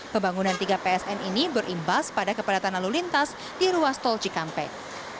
pembangunan tiga psn ini berimbas pada kepadatan lalu lintas di ruas tol cikampek